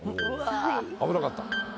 危なかった。